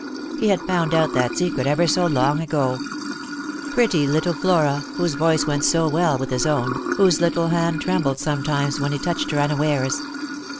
He had found out that secret ever so long ago. Pretty little Flora, whose voice went so well with his own, whose little hand trem bled sometimes when he touched it unawares.